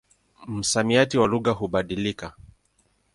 Msamiati wa lugha hubadilika.